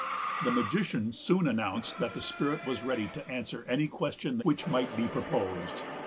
The magician soon announced that the spirit was ready to answer any question which might be proposed.